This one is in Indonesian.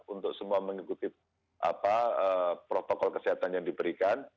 untuk semua mengikuti protokol kesehatan yang diberikan